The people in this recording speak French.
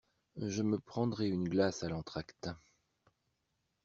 Je me prendrai une glace à l'entracte.